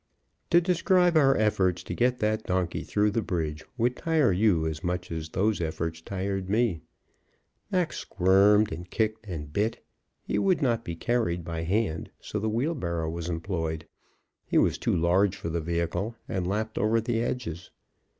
To describe our efforts to get that donkey through the bridge would tire you as much as those efforts tired me. Mac squirmed and kicked and bit; he would not be carried by hand; so the wheelbarrow was employed. He was too large for the vehicle, and lapped over the edges.